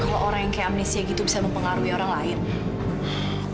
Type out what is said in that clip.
kalau orang yang kayak amnesnya gitu bisa mempengaruhi orang lain